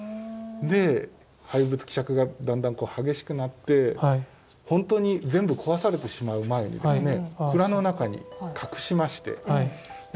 廃仏毀釈がだんだん激しくなって本当に全部壊されてしまう前にですね蔵の中に隠しましてそれで村人たちが守っていた。